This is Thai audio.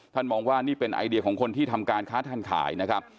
มองว่านี่เป็นไอเดียของคนที่ทำการค้าทันขายนะครับ